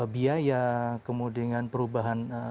biaya kemudian perubahan